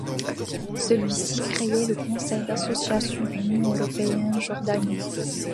Celui-ci crée le Conseil d'association Union européenne-Jordanie.